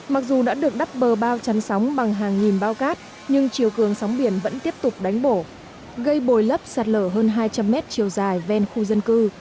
mặc dù đã được đắp bờ bao chắn sóng bằng hàng nghìn bao cát nhưng chiều cường sóng biển vẫn tiếp tục đánh đổ gây bồi lấp sạt lở hơn hai trăm linh mét chiều dài ven khu dân cư